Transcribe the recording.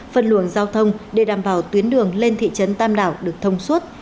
phân luồng giao thông để đảm bảo tuyến đường lên thị trấn tam đảo được thông suốt